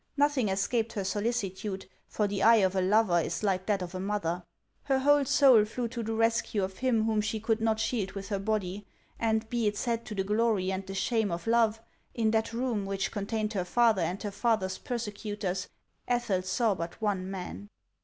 Xothing escaped her solicitude, for the eye of a lover is like that of a mother. Her whole soul flew to the rescue of him whom she could not shield with her body ; and, be it said to the glory and the shame of love, in that room, which contained her father and her father's persecutors, Ethel saw but one man.